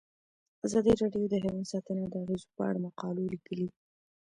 ازادي راډیو د حیوان ساتنه د اغیزو په اړه مقالو لیکلي.